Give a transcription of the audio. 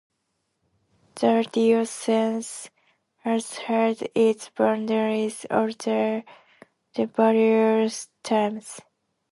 The diocese has had its boundaries altered various times.